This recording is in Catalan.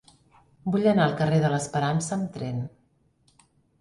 Vull anar al carrer de l'Esperança amb tren.